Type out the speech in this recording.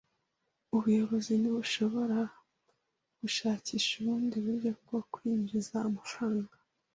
Ubuyobozi ntibushobora gushakisha ubundi buryo bwo kwinjiza amafaranga.